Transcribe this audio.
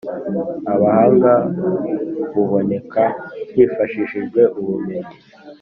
abahanga buboneka hifashishijwe ubumenyi.